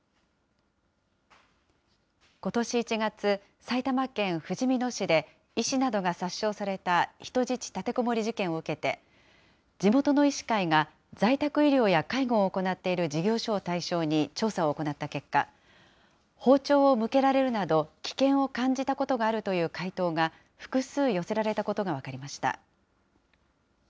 ことし１月、埼玉県ふじみ野市で医師などが殺傷された人質立てこもり事件を受けて、地元の医師会が在宅医療や介護を行っている事業所を対象に調査を行った結果、包丁を向けられるなど、危険を感じたことがあるという回答が複数寄せられたことが分かりました。